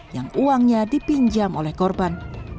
yang uangnya dipinjam oleh korban